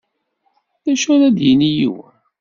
D acu ara d-yini yiwen?